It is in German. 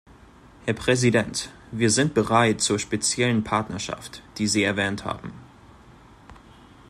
Herr Präsident, wir sind bereit zur speziellen Partnerschaft, die Sie erwähnt haben.